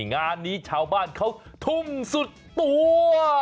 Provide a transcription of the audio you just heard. งานนี้ชาวบ้านเขาทุ่มสุดตัว